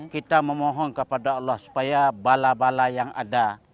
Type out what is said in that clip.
kita memohon kepada allah supaya bala bala yang ada